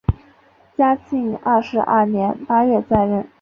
嘉庆二十二年八月再任。